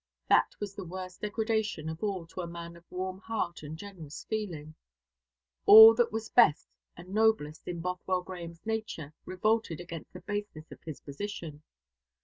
That was the worst degradation of all to a man of warm heart and generous feeling. All that was best and noblest in Bothwell Grahame's nature revolted against the baseness of his position.